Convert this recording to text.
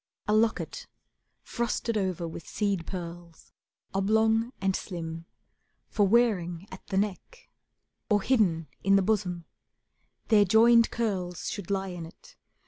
A locket, frosted over with seed pearls, Oblong and slim, for wearing at the neck, Or hidden in the bosom; their joined curls Should lie in it.